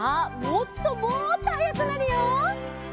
もっともっとはやくなるよ！